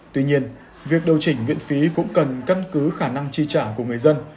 tuy nhiên việc đầu chỉnh viện phí cũng cần cân cứ khả năng chi trả của người dân